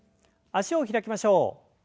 脚を開きましょう。